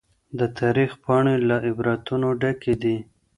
د تاريخ پاڼي له عبرتونو ډکي دي.